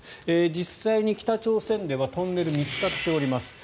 実際に北朝鮮ではトンネル見つかっております。